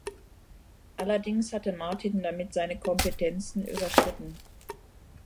Allerdings hatte Martin damit seine Kompetenzen überschritten.